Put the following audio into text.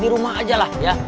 di rumah aja lah ya